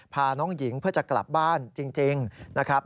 พาน้องหญิงเพื่อจะกลับบ้านจริงนะครับ